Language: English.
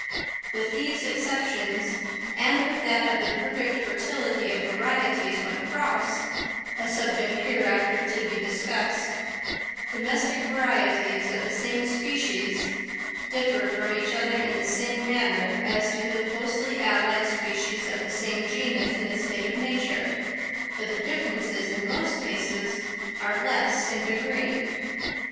With these exceptions (and with that of the perfect fertility of varieties when crossed—a subject hereafter to be discussed), domestic races of the same species differ from each other in the same manner as do the closely allied species of the same genus in a state of nature, but the differences in most cases are less in degree.